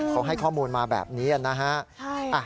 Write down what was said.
เขาให้ข้อมูลมาแบบนี้นะฮะ